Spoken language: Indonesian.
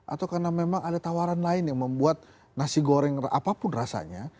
atau karena memang ada tawaran lain yang membuat nasi goreng apapun rasanya